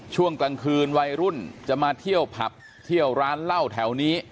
ช่วงกลางคืนวัยรุ่นจะมาเที่ยวผับเที่ยวร้านเหล้าแถวนี้